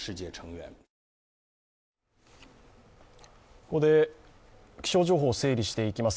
ここで気象情報を整理していきます。